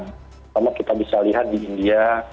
pertama kita bisa lihat di india